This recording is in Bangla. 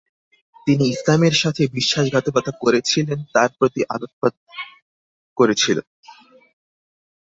তিনি ইসলামের সাথে বিশ্বাসঘাতকতা করেছিলেন তার প্রতি আলোকপাত করেছিল।